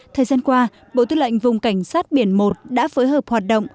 thời gian qua bộ tư lệnh vùng cảnh sát biển một đã phối hợp hoạt động